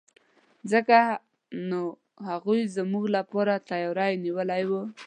ځکه نو هغوی زما لپاره تیاری نیولی وو.